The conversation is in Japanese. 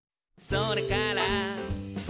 「それから」